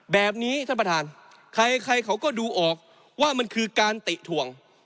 แบบนี้ท่านประธานใครใครเขาก็ดูออกว่ามันคือการติถ่วง